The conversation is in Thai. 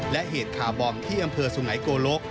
และเหตุคาร์บอมที่อำเภอสุไงโกลก